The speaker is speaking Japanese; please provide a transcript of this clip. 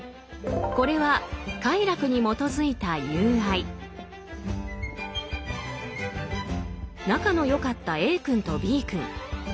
これは仲の良かったＡ君とＢ君。